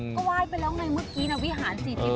ก็ไหว้ไปแล้วไงเมื่อกี้นะวิหารสิทธิไหว้แน่